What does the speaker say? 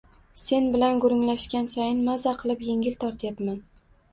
Sen bilan gurunglashgan sayin mazza qilib engil tortayapman